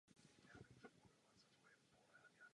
Dánského.